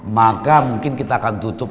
maka mungkin kita akan tutup